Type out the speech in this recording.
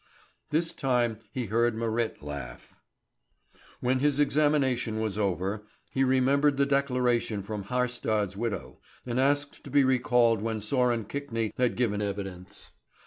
This time he heard Marit laugh. When his examination was over, he remembered the declaration from Haarstad's widow, and asked to be recalled when Sören Kvikne had given evidence.